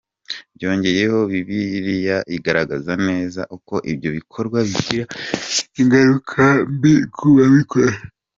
Byongeyeho, Bibiliya igaragaza neza ko ibyo bikorwa bigira ingaruka mbi ku babikora.